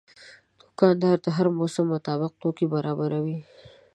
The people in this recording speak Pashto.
دوکاندار د هر موسم مطابق توکي برابروي.